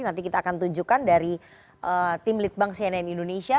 nanti kita akan tunjukkan dari tim litbang cnn indonesia